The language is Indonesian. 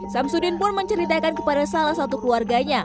samsudin pun menceritakan kepada salah satu keluarganya